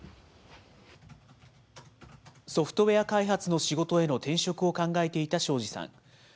ソフトウエア開発の仕事への転職を考えていた東海林さん。